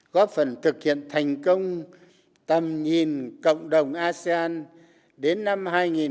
góp phần thực hiện thành công tầm nhìn cộng đồng asean đến năm hai nghìn bốn mươi năm